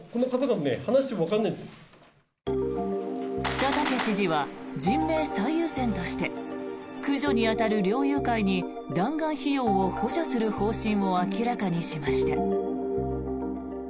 佐竹知事は人命最優先として駆除に当たる猟友会に弾丸費用を補助する方針を明らかにしました。